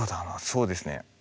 そうですね